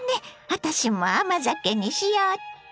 私も甘酒にしよっと！